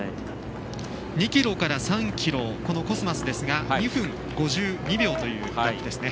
２ｋｍから３ｋｍこのコスマスですが２分５２秒という記録です。